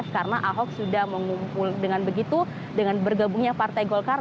karena ahok sudah mengumpul dengan begitu dengan bergabungnya partai golkar